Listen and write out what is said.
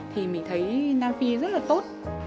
thì mình thấy nam phi rất là tốt